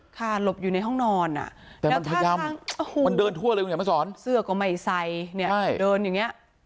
ค่ะหลบอยู่ในห้องนอนอ่ะมันเดินทั่วเลยอยู่เนี่ยมันสอนเสือกกับไหมไซเนี่ยเดินอยู่เนี่ย